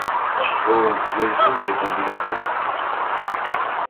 Oh! je joue, répondit l’enfant.